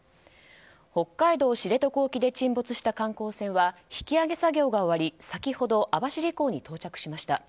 北海道知床沖で沈没した観光船は引き揚げ作業が終わり、先ほど網走港に到着しました。